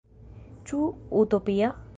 Ĉu utopia?